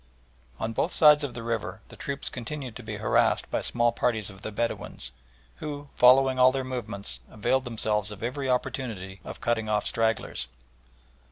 On both sides of the river the troops continued to be harassed by small parties of the Bedouins, who, following all their movements, availed themselves of every opportunity of cutting off stragglers.